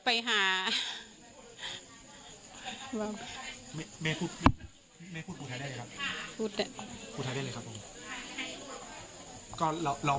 ปกติพี่สาวเราเนี่ยครับเป็นคนเชี่ยวชาญในเส้นทางป่าทางนี้อยู่แล้วหรือเปล่าครับ